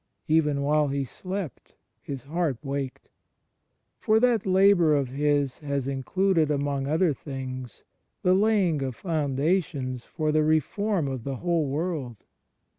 Even while He slept His Heart waked. For that labour of His has included among other things the laying of foimdations for the reform of the whole world.